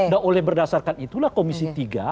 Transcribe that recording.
dan oleh berdasarkan itulah komisi tiga